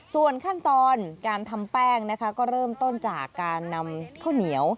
ส่วนขั้นตอนการทำแป้งนะคะก็เริ่มต้นจากการนำข้าวเหนียว